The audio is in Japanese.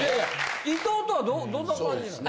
伊藤とはどうどんな感じなの？